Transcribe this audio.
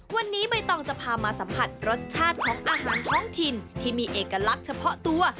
วันนี้ใบตองจะพามาสัมผัสรสชาติของอาหารท้องถิ่นที่มีเอกลักษณ์เฉพาะตัว